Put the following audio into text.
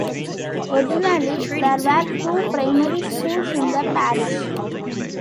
Originally, there were two primary schools in the parish.